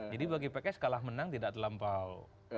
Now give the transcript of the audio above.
jadi bagi pks kalah menang tidak terlampau